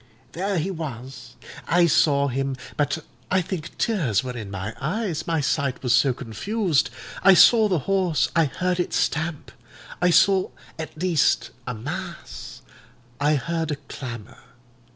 There he was: I saw him; but I think tears were in my eyes, my sight was so confused. I saw the horse; I heard it stamp—I saw at least a mass; I heard a clamour.